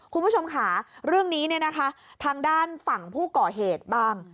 คุณผู้ชมค่ะเรื่องนี้เนี่ยนะคะทางด้านฝั่งผู้ก่อเหตุบ้าง